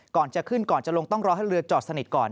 ก่อนจะขึ้นก่อนจะลงต้องรอให้เรือจอดสนิทก่อน